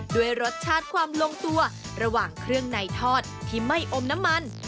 ด้วยรสชาติความลงตัวระหว่างเครื่องในทอดที่ไม่อมน้ำมัน